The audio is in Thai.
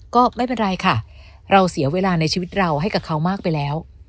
ก็ไม่เป็นไรค่ะเราเสียเวลาในชีวิตเราให้กับเขามากไปแล้ว